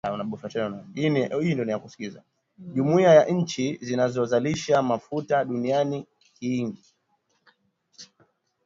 Jumuiya ya nchi zinazozalisha mafuta duniani Kiing